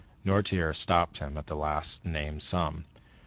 Noirtier stopped him at the last named sum.